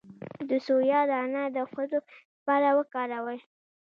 د سویا دانه د ښځو لپاره وکاروئ